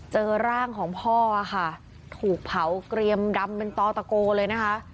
เจอร่างของพ่อค่ะถูกเผาเกรียมดำเป็นตอตะโกเลยนะคะ